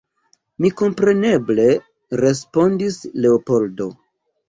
Mi kompreneble, respondis Leopoldo.